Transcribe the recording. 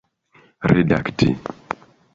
redakti